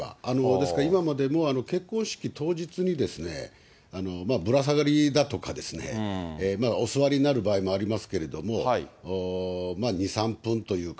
ですから、今までも結婚式当日にぶら下がりだとか、お座りになる場合もありますけれども、２、３分というか、